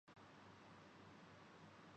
اے مرے عشق بنا ایک ٹھکانہ کوئی